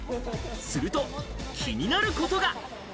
すると気になることが。